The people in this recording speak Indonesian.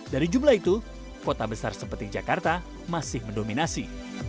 dari jumlah itu kota besar seperti jakarta masih mendominasi